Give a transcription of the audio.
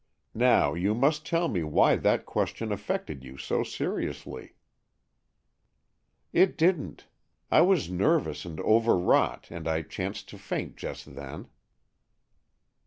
Now you must tell me why that question affected you so seriously." "It didn't. I was nervous and overwrought, and I chanced to faint just then."